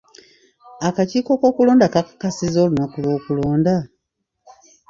Akakiiko k'okulonda kakasizza olunaku lw'okulonda?